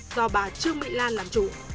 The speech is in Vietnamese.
do bà trương mỹ lan làm chủ